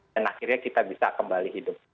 dan akhirnya kita bisa kembali hidup